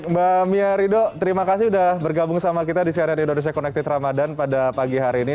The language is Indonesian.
oke mbak mia ridho terima kasih udah bergabung sama kita di siarai indonesia connected ramadhan pada pagi hari ini